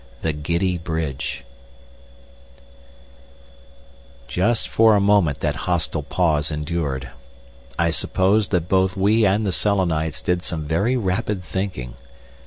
The Giddy Bridge Just for a moment that hostile pause endured. I suppose that both we and the Selenites did some very rapid thinking.